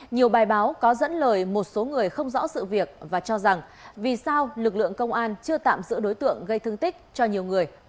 nhiều bài báo có dẫn lời một số người không rõ sự việc và cho rằng vì sao lực lượng công an chưa tạm giữ đối tượng gây thương tích cho nhiều người